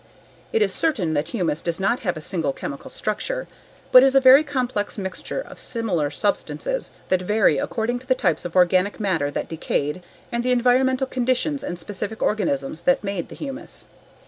It is certain that humus does not have a single chemical structure, but is a very complex mixture of similar substances that vary according to the types of organic matter that decayed, and the environmental conditions and specific organisms that made the humus.